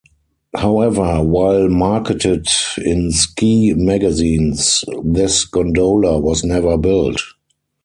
However, while marketed in ski magazines, this gondola was never built.